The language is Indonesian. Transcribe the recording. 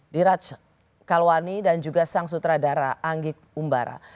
diraj kalwani dan juga sang sutradara anggik umbara